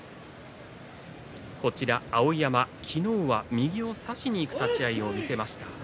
碧山、昨日は右を差しにいく立ち合いを見せました。